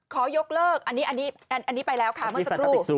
ขอยกเลิกอันนี้ไปแล้วค่ะเมื่อสักครู่